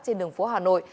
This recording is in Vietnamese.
trên đường phố hà nội